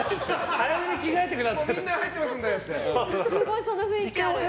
早めに着替えてくださいって。